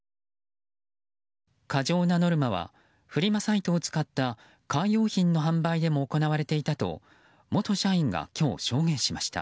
過剰なノルマはフリマサイトを使ったカー用品の販売でも行われていたと元社員が今日証言しました。